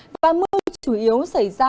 và mưa chủ yếu xảy ra